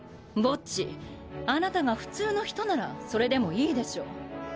ボッジあなたが普通の人ならそれでもいいでしょう。